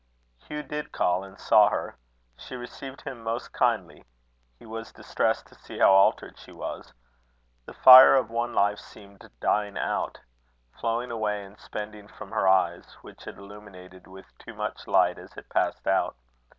Hugh did call, and saw her. She received him most kindly. He was distressed to see how altered she was. The fire of one life seemed dying out flowing away and spending from her eyes, which it illuminated with too much light as it passed out.